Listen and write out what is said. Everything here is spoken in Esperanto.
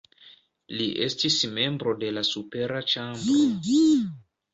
Li estis membro de la supera ĉambro.